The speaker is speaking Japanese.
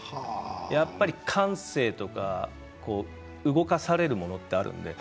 やっぱり感性とか動かされるものってあるじゃない。